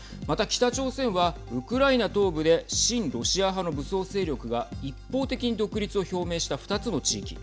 北朝鮮はウクライナ東部で親ロシア派の武装勢力が一方的に独立を表明した２つの地域